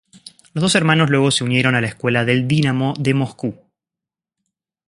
Los dos hermanos luego se unieron a la escuela del Dinamo de Moscú.